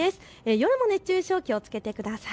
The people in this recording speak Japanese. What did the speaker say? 夜も熱中症、気をつけてください。